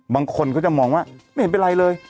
บางคนเขาจะมองว่าไม่เห็นเป็นไรเลย